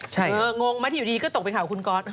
ใช่เอองงไหมทีปีดีก็ตกเป็นข่าวของคุณกร